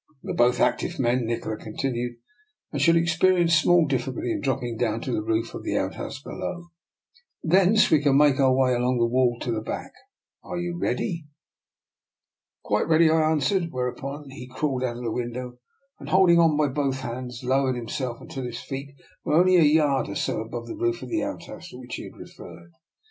" We are both active men," Nikola con tinued, " and should experience small diffi culty in dropping on to the roof of the out house below; thence we can make our way along the wall to the back. Are you ready? "" Quite ready," I answered; whereupon he crawled out of the window, and, holding on by both hands, lowered himself until his feet were only a yard or so above the roof of the outhouse to which he had referred.